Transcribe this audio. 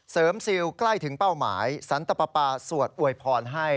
ซิลใกล้ถึงเป้าหมายสันตปาสวดอวยพรให้